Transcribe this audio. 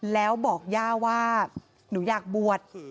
แล้วบอกย่าว่าหนูอยากบวช